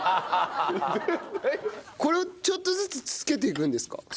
これをちょっとずつ付けていくんですか？